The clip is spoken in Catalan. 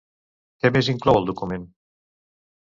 Què més inclou el document?